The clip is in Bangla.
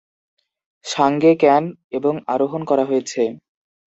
সাঙ্গে ক্যান এবং আরোহণ করা হয়েছে।